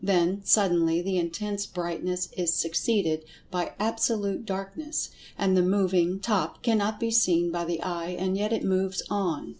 Then, suddenly, the intense brightness is succeeded by absolute darkness, and the moving Top cannot be seen by the eye—and yet it moves on.